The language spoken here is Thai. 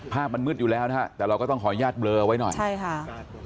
ภาพมันมืดอยู่แล้วนะฮะแต่เราก็ต้องขออนุญาตเบลอไว้หน่อยใช่ค่ะ